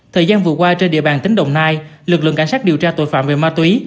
thời gian vừa qua trên địa bàn tỉnh đồng nai lực lượng cảnh sát điều tra tội phạm về ma túy